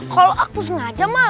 kalau aku sengaja mah